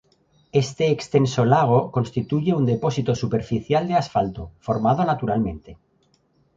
Este extenso lago constituye un depósito superficial de asfalto, formado naturalmente.